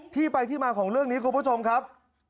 ที่ไปที่มาของเรื่องนี้คุณผู้ชมครับ